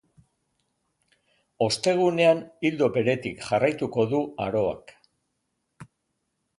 Ostegunean ildo beretik jarraituko du aroak.